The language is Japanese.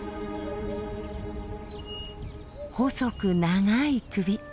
細く長い首。